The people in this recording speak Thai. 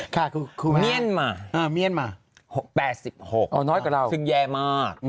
ค่ะคุณครับเมียนมาร์๘๖ซึ่งแย่มาก